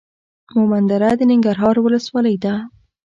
مومندره د ننګرهار ولسوالۍ ده.